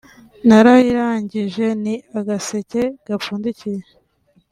narayirangije ni agaseke gapfundikiye